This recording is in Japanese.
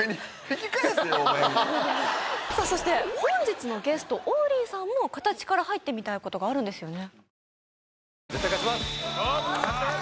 そして本日のゲスト王林さんも形から入ってみたいことがあるんですよね？